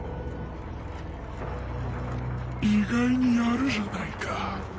意外にやるじゃないか。